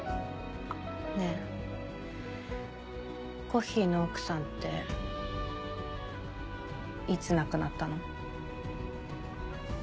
コッヒーの奥さんっていつ亡くなったの？